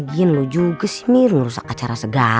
lagiin lu juga sih myrna ngerusak acara segala